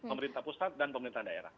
pemerintah pusat dan pemerintah daerah